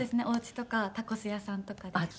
おうちとかタコス屋さんとかで。